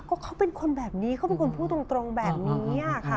ก็เขาเป็นคนแบบนี้เขาเป็นคนพูดตรงแบบนี้ค่ะ